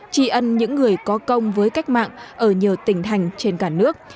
tri ân những người có công với cách mạng ở nhiều tỉnh thành trên cả nước